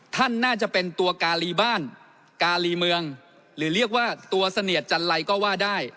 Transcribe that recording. ท่านน่าจะเป็นตัวการีบ้านกาลีเมืองหรือเรียกว่าตัวเสนียดจันไรก็ว่าได้